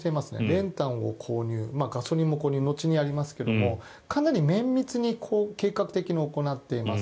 練炭を購入ガソリンも購入と後にやりますが、かなり綿密に計画的に行っています。